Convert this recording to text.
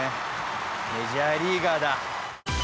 「メジャーリーガーだ」